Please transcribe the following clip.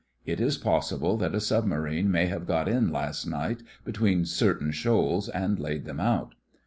It is possible that a submarine may have got in last night between certain shoals and laid them out.